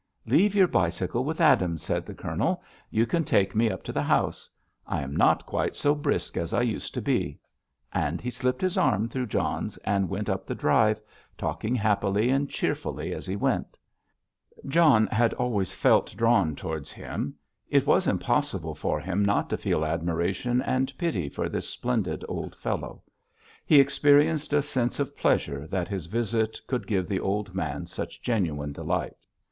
"Leave your bicycle with Adams," said the Colonel; "you can take me up to the house. I am not quite so brisk as I used to be." And he slipped his arm through John's and went up the drive, talking happily and cheerfully as he went. John had always felt drawn towards him; it was impossible for him not to feel admiration and pity for this splendid old fellow. He experienced a sense of pleasure that his visit could give the old man such genuine delight.